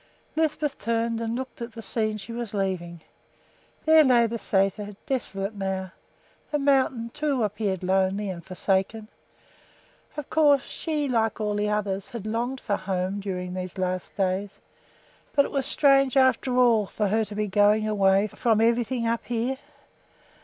Lisbeth turned and looked at the scene she was leaving. There lay the sæter, desolate now. The mountain, too, appeared lonely and forsaken. Of course she, like all the others, had longed for home during these last days; but it was strange, after all, for her to be going away from everything up here.